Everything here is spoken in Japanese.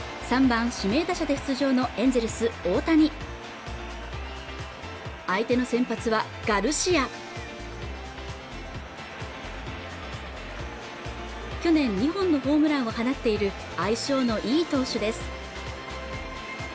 ３番・指名打者で出場のエンゼルス大谷相手の先発はガルシア去年２本のホームランを放っている相性のいい投手です